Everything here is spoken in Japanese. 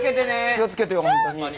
気を付けてよ本当に。